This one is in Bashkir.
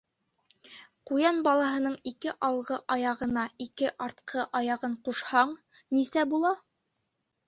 Ҡуян балаһының ике алғы аяғына ике артҡы аяғын ҡушһаң, нисә була?